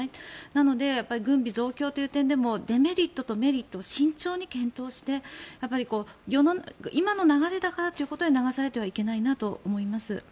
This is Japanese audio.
なので、軍備増強という点でもメリット、デメリットを慎重に検討して今の流れだからということで流されてはいけないなと思います。